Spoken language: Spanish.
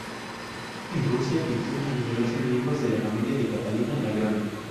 En Rusia pintó a numerosos miembros de la familia de Catalina la Grande.